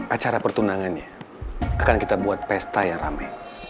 acara pertunangannya akan kita buat pesta yang rame